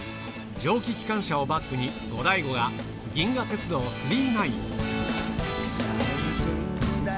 蒸気機関車をバックに、ゴダイゴが銀河鉄道９９９。